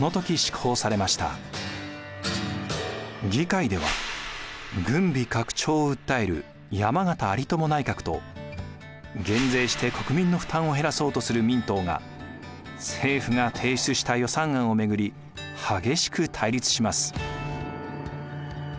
議会では軍備拡張を訴える山県有朋内閣と減税して国民の負担を減らそうとする民党が政府が提出した予算案を巡り激しく対立します。